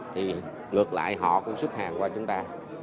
thì ngược lại họ cũng xuất hàng qua chúng ta